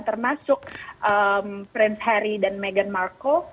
termasuk prince harry dan meghan markle